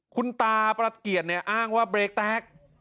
คุณตาประเกียจเนี่ยอ้างว่าเบรกแตก